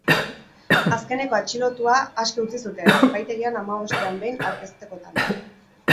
Azkeneko atxilotua aske utzi zuten, epaitegian hamabostean behin aurkeztekotan.